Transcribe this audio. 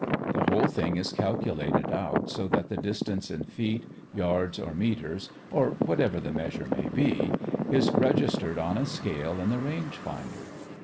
The whole thing is calculated out so that the distance in feet, yards, or meters, or whatever the measure may be, is registered on a scale in the range finder.